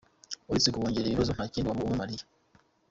Uretse kubongerera ibibazo nta kindi waba ubamariye!